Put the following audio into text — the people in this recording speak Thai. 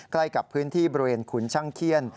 ใกล้กับพื้นที่บริเวณขุนช่างเขี้ยน